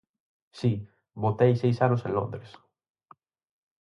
Si, botei seis anos en Londres.